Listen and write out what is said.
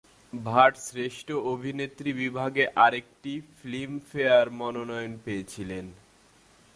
ভাট শ্রেষ্ঠ অভিনেত্রী বিভাগে আরেকটি ফিল্মফেয়ার মনোনয়ন পেয়েছিলেন।